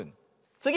つぎ！